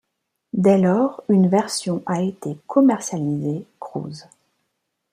Dès lors une version a été commercialisée Cruise.